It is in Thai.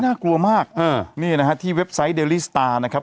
น่ากลัวมากเออนี่นะฮะที่เว็บไซต์เดลลี่สตาร์นะครับ